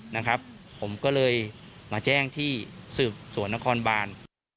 นะครับผมก็เลยมาแจ้งที่สืบสวนนครบาน